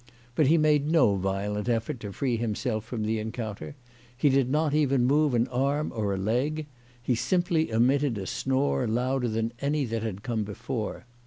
But he made no violent effort to free himself from the encounter. He did not even move ail arm or a leg. He simply emitted a snore louder than any that had come before.